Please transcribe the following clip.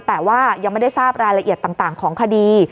แต่ว่ายังไม่ได้ทราบรายละเอียดต่างของคดี